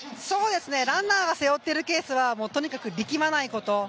ランナーが背負っているケースはとにかく、力まないこと。